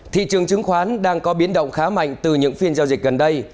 thị trường chứng khoán đang có biến động khá mạnh từ những phiên giao dịch gần đây